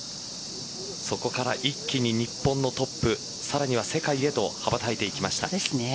そこから一気に日本のトップさらには世界へと羽ばたいていきました。